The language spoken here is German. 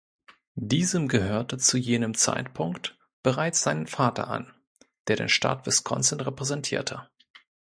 Diesem gehörte zu jenem Zeitpunkt bereits sein Vater an, der den Staat Wisconsin repräsentierte.